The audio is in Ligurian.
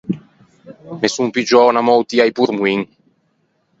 Me son piggiou unna moutia a-i pormoin.